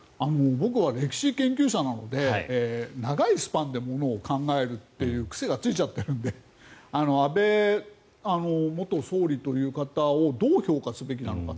僕は歴史研究者なので長いスパンでものを考えるという癖がついちゃってるんで安倍元総理という方をどう評価すべきなのか。